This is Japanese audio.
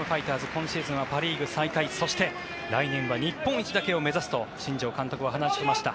今シーズンはパ・リーグ最下位そして来年は日本一だけを目指すと新庄監督は話しました。